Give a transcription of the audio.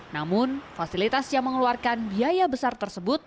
namun fasilitas yang mengeluarkan biaya besar tersebut